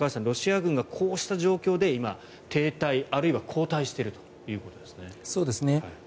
ロシア軍がこうした状況で今、停滞あるいは後退しているということです。